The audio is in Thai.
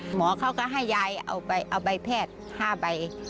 หมอเขาก็ให้ยายเอาใบแพทย์๕ใบ